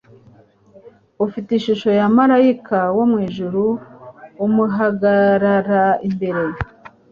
ufite ishusho ya malayika wo mu ijuru amuhagarara imbere,